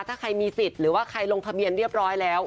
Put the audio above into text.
ถ้าใครมีสิทธิ์หรือว่าใครลงทะเบียนเรียบร้อยแล้ว